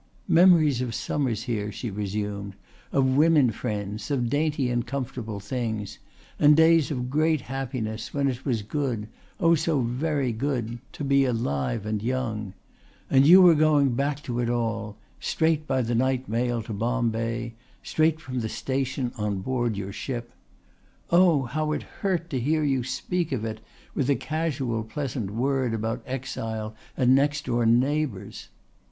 "Memories of summers here," she resumed, "of women friends, of dainty and comfortable things, and days of great happiness when it was good oh so very good! to be alive and young. And you were going back to it all, straight by the night mail to Bombay, straight from the station on board your ship. Oh, how it hurt to hear you speak of it, with a casual pleasant word about exile and next door neighbours!"